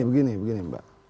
begini begini mbak